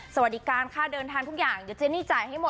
สวัสดีการค่าเดินทางทุกอย่างเดี๋ยวเจนี่จ่ายให้หมด